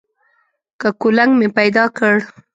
که کولنګ مې پیدا کړ.